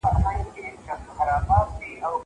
زه له سهاره کتابتوننۍ سره وخت تېرووم!